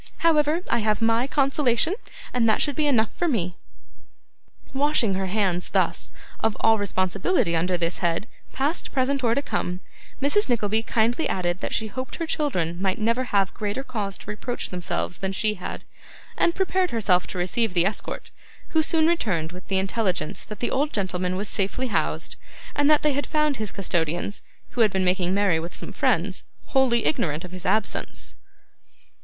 However, I have MY consolation, and that should be enough for me!' Washing her hands, thus, of all responsibility under this head, past, present, or to come, Mrs. Nickleby kindly added that she hoped her children might never have greater cause to reproach themselves than she had, and prepared herself to receive the escort, who soon returned with the intelligence that the old gentleman was safely housed, and that they found his custodians, who had been making merry with some friends, wholly ignorant of his absence.